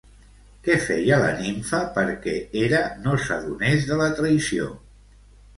Què feia la nimfa perquè Hera no s'adonés de la traïció?